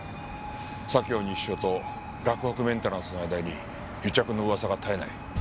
左京西署と洛北メンテナンスの間に癒着の噂が絶えない。